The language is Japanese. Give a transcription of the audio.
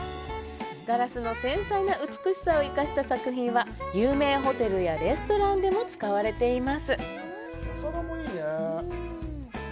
ガラスの繊細な美しさを生かした作品は有名ホテルやレストランでも使われています